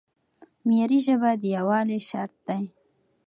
معیاري ژبه د یووالي شرط دی.